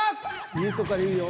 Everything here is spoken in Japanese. ２とかいいよ。